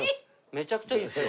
めちゃくちゃいいですよ。